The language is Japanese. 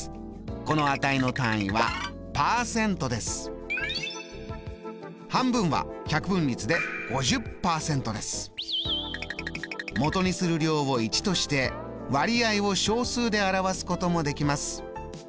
この値の単位は半分は百分率でもとにする量を１として割合を小数で表すこともできます。